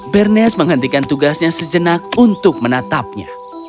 bernest menghentikan tugasnya sejenak untuk menatapnya